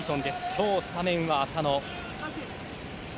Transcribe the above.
今日、スタメンは浅野。